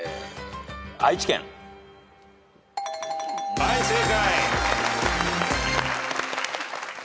はい正解。